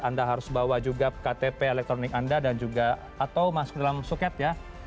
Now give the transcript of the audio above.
anda harus bawa juga ktp elektronik anda dan juga atau masuk dalam suket ya